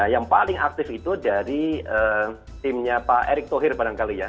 yang paling aktif itu dari timnya pak erick thohir barangkali ya